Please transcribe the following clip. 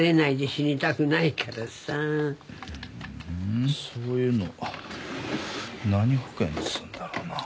ふんそういうの何保険っつうんだろうなぁ。